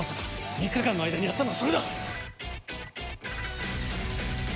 ３日間の間にやったのはそれだ！